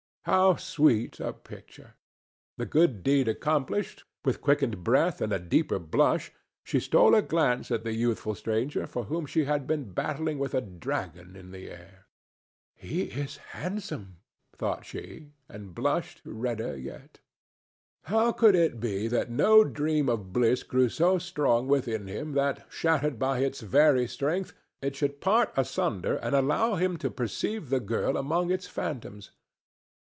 How sweet a picture! This good deed accomplished, with quickened breath and a deeper blush she stole a glance at the youthful stranger for whom she had been battling with a dragon in the air. "He is handsome!" thought she, and blushed redder yet. How could it be that no dream of bliss grew so strong within him that, shattered by its very strength, it should part asunder and allow him to perceive the girl among its phantoms?